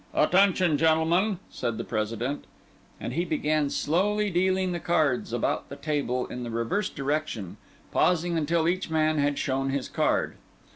"Attention, gentlemen!" said the President. And he began slowly dealing the cards about the table in the reverse direction, pausing until each man had shown his card.